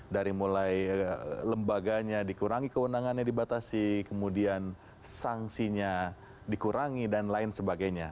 dari mulai lembaganya dikurangi kewenangannya dibatasi kemudian sanksinya dikurangi dan lain sebagainya